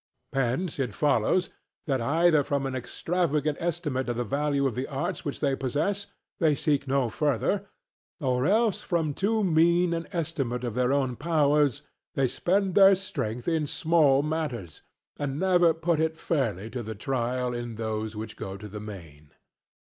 Hence it follows, that either from an extravagant estimate of the value of the arts which they possess, they seek no further; or else from too mean an estimate of their own powers, they spend their strength in small matters and never put it fairly to the trial in those which go to the main.